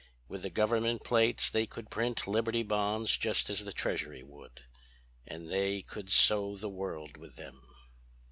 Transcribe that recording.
With the government plates they could print Liberty Bonds just as the Treasury would. And they could sow the world with them."